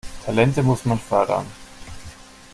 Talente muss man fördern.